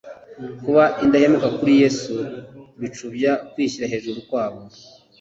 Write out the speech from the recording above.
kuba indahemuka kuri Yesu bicubya kwishyira hejuru kwabo;